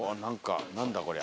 何だこりゃ。